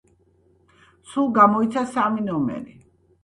სულ გამოიცა სამი ნომერი.